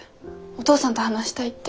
お父さんと話したいって。